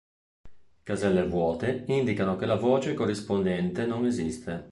Caselle vuote indicano che la voce corrispondente non esiste.